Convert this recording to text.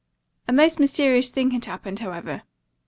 A most mysterious thing had happened, however.